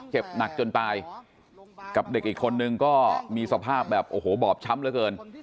เจ็บหนักจนตายกับเด็กอีกคนนึงก็มีสภาพแบบโอ้โหบอบช้ำเหลือเกิน